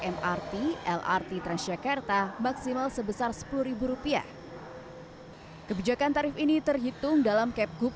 mrt lrt transjakarta maksimal sebesar rp sepuluh kebijakan tarif ini terhitung dalam capgoub